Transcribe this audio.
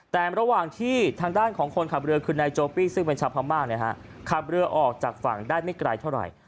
แต่ระหว่างที่ทางด้านของคนขับเรือคือนายโจปปี้ซึ่งเป็นชาวพม่าขับเรือออกจากฝั่งได้ไม่ไกลเท่าไหร่